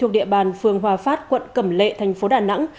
thuộc địa bàn phường hòa phát quận cẩm lệ thành phố đà nẵng